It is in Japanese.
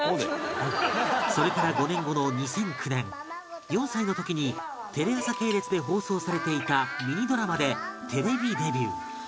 それから５年後の２００９年４歳の時にテレ朝系列で放送されていたミニドラマでテレビデビュー